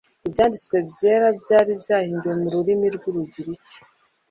Ibyanditswe byera byari byarahinduwe mu rurimi rw'urugiriki,